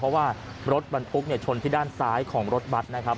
เพราะว่ารถบรรทุกชนที่ด้านซ้ายของรถบัตรนะครับ